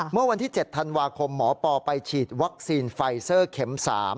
เมื่อวันที่๗ธันวาคมหมอปอไปฉีดวัคซีนไฟเซอร์เข็ม๓